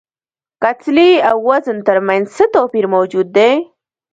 کتلې او وزن تر منځ څه توپیر موجود دی؟